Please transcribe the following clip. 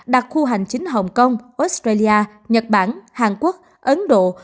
đặc khu hành chính hồng kông australia nhật bản hàn quốc ấn độ